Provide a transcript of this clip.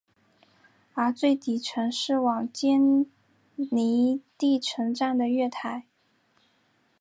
而最底层是往坚尼地城站的月台。